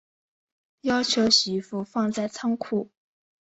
要求媳妇放在仓库